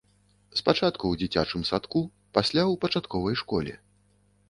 Спачатку ў дзіцячым садку, пасля ў пачатковай школе.